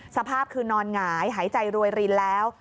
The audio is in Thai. สภาพคือนอนหงายหายใจรวยรินแล้ว